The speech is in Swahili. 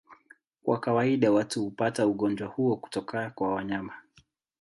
Kwa kawaida watu hupata ugonjwa huo kutoka kwa wanyama.